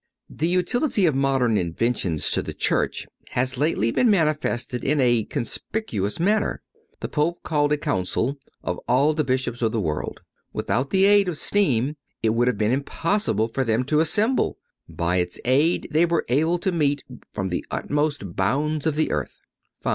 (109) The utility of modern inventions to the Church has lately been manifested in a conspicuous manner. The Pope called a council of all the Bishops of the world. Without the aid of steam it would have been almost impossible for them to assemble; by its aid they were able to meet from the uttermost bounds of the earth. V.